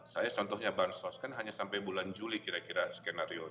saya contohnya ban sos kan hanya sampai bulan juli kira kira skenario itu